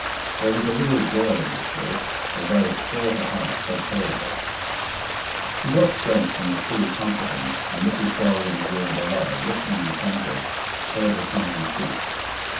There was a real joy in this thought, although it tore her heart so terribly. She got strength from the cruel comforting, and Mrs. Gorry in the room below, listening intently, heard her crying cease.